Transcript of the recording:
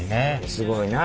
すごいな。